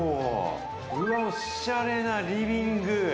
おしゃれなリビング。